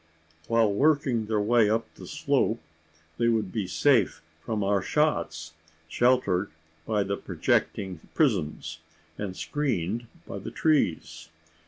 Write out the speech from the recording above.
While working their way up the slope, they would be safe from our shots, sheltered by the projecting prisms, and screened by the trees.